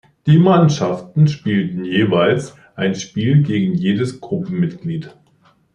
Die Mannschaften spielten jeweils ein Spiel gegen jedes Gruppenmitglied.